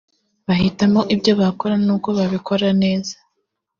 bahitamo ibyo bakora n’uko babikora neza